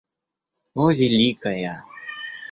О, великая!